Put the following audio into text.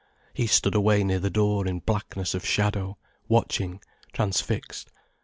He stood away near the door in blackness of shadow, watching, transfixed.